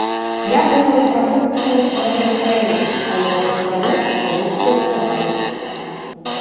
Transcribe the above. Я думаю пра будучыню сваёй краіны, а не пра сваю асабістую ўладу.